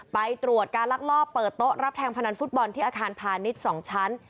ไปตรวจการลักลอบเปิดโต๊ะรับแทงพนันฟุตบอลที่อาคารพาณิชย์๒ชั้น